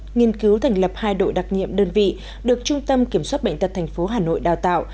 nghiên cứu thành lập hai đội đặc nhiệm đơn vị được trung tâm kiểm soát bệnh tật tp hà nội đào tạo